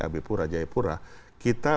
abipura jayapura kita